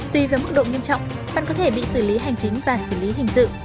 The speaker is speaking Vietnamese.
tùy với mức độ nghiêm trọng bạn có thể bị xử lý hành chính và xử lý hình sự